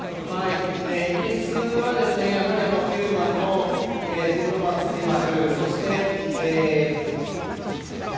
イギリスは、やはり９番のジム・ロバーツ選手。